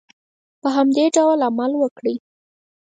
په همدې ډول عمل وکړئ.